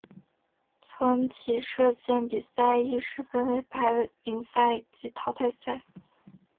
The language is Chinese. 团体射箭比赛亦是分为排名赛及淘汰赛。